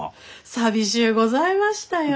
寂しゅうございましたよ。